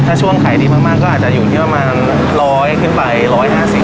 ถ้าช่วงขายดีมากมากก็อาจจะอยู่ที่ประมาณร้อยขึ้นไปร้อยห้าสิบ